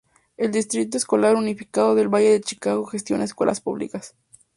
El Distrito Escolar Unificado del Valle de Chino gestiona escuelas públicas.